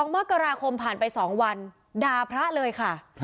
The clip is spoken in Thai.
๒มกราคมผ่านไป๒วันด่าพระเลยค่ะ